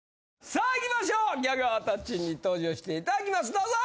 さあいきましょうギャガー達に登場していただきますどうぞ！